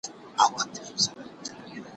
زما په مرگ به خلک ولي خوښېدلای